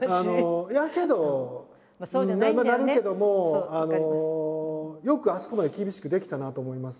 いやけどまあなるけどもよくあそこまで厳しくできたなと思います